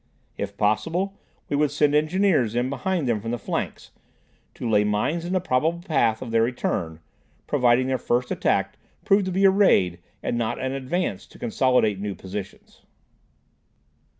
If possible, we would send engineers in behind them from the flanks, to lay mines in the probable path of their return, providing their first attack proved to be a raid and not an advance to consolidate new positions.